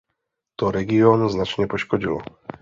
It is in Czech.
To region značně poškodilo.